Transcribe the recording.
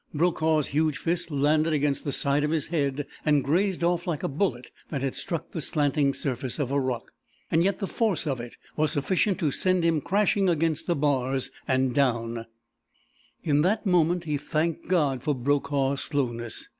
Brokaw's huge fist landed against the side of his head and grazed off like a bullet that had struck the slanting surface of a rock. Yet the force of it was sufficient to send him crashing against the bars and down. In that moment he thanked God for Brokaw's slowness.